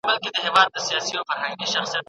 تاریخي پیښې په صادقانه ډول بیان کړئ.